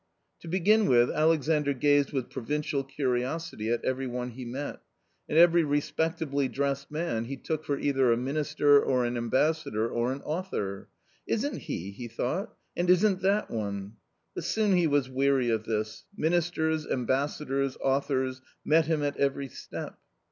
~ To begin with, Alexandr gazed with provincial curiosity at every one he met, and every respectably dressed man he took for either a minister, or an ambassador, or an author, " isn't he/' he thought, " and isn't that one ?" But soon he was weary of this — ministers, ambassadors, authors met him at every step.